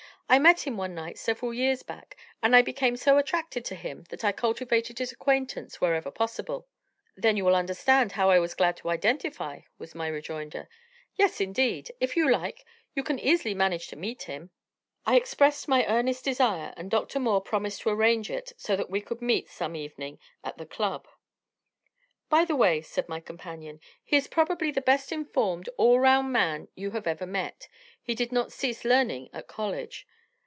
"I met him one night several years back, and I became so attracted to him that I cultivated his acquaintance wherever possible." "Then you will understand how I was glad to identify him," was my rejoinder. "Yes, indeed; if you like, you can easily manage to meet him." I expressed my earnest desire, and Dr. Moore promised to arrange it so that we could meet some evening at the Club. "By the way," said my companion, "he is probably the best informed, all round man you have ever met. He did not cease learning at college."